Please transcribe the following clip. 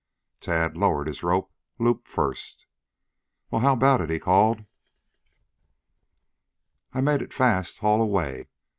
Tad lowered his rope, loop first. "Well, how about it?" he called. "I've made it fast. Haul away."